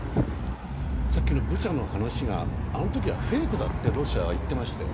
さっきのブチャの話があの時はフェイクだってロシアは言っていましたよ。